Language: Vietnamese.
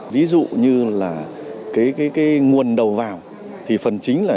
ví dụ như là cái nguồn đầu vào thì phần chính là